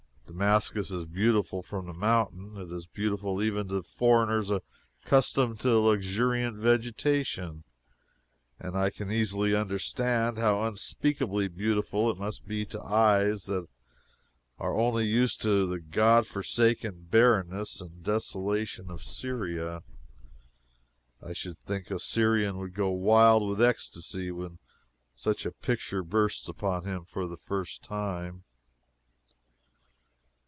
Damascus is beautiful from the mountain. It is beautiful even to foreigners accustomed to luxuriant vegetation, and I can easily understand how unspeakably beautiful it must be to eyes that are only used to the God forsaken barrenness and desolation of Syria. I should think a Syrian would go wild with ecstacy when such a picture bursts upon him for the first time.